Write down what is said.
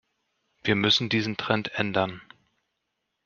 Wir müssen diesen Trend ändern.